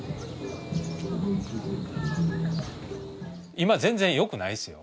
今全然良くないですよ。